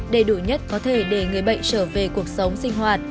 đầy đủ nhất có thể để người bệnh trở về cuộc sống sinh hoạt